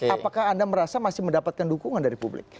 apakah anda merasa masih mendapatkan dukungan dari publik